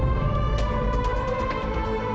aku mau mencari uang buat bayar tebusan